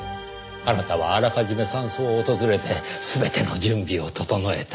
あなたはあらかじめ山荘を訪れて全ての準備を整えた。